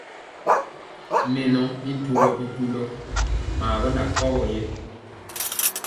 Mɛnɔ i ɗuwɔ bitundɔ maa gɔ na kɔwɔ yɛ.